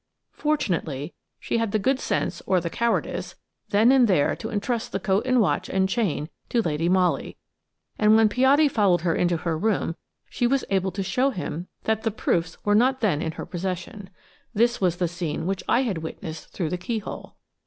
Fortunately, she had the good sense, or the cowardice, then and there to entrust the coat and watch and chain to Lady Molly, and when Piatti followed her into her room she was able to show him that the proofs were not then in her possession. This was the scene which I had witnessed through the keyhole.